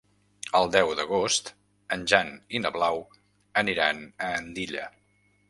El deu d'agost en Jan i na Blau aniran a Andilla.